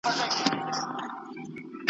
په توبه توبه زاهد کړمه مجبوره !.